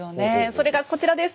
それがこちらです。